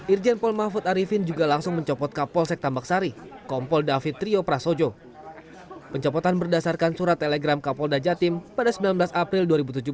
irjen pol mahmud arifin juga langsung mencopot kapol